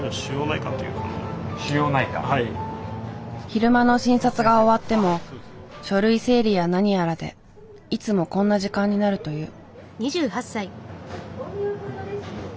昼間の診察が終わっても書類整理や何やらでいつもこんな時間になるという。